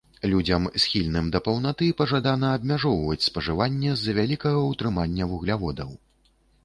Людзям, схільным да паўнаты, пажадана абмяжоўваць спажыванне з-за вялікага ўтрымання вугляводаў.